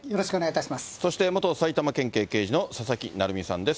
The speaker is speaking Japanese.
そして元埼玉県警刑事の佐々木成三さんです。